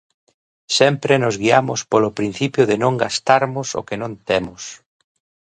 Sempre nos guiamos polo principio de non gastarmos o que non temos.